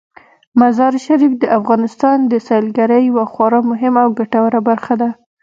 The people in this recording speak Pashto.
مزارشریف د افغانستان د سیلګرۍ یوه خورا مهمه او ګټوره برخه ده.